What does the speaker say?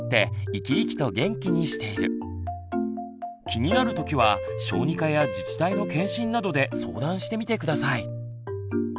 気になるときは小児科や自治体の健診などで相談してみて下さい。